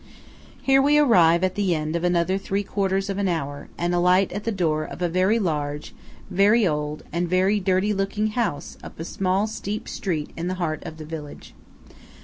Here we arrive at the end of another three quarters of an hour, and alight at the door of a very large, very old, and very dirty looking house up a small steep street in the heart of the village.